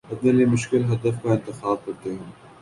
اپنے لیے مشکل ہدف کا انتخاب کرتا ہوں